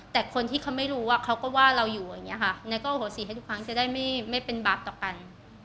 แต่คนที่เขาไม่รู้เขาก็ว่าเราอยู่อย่างนี้ค่ะแล้วก็โอโหสีให้ทุกครั้งจะได้ไม่เป็นบาปต่อกัน